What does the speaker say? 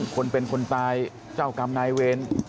คนเป็นคนตายเจ้ากรรมนายเวร